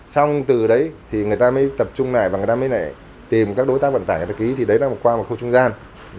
xong từ đấy thì người ta mới tập trung lại và người ta mới lại tìm các đối tác vận tải để ký thì đấy là một khoa khu trung gian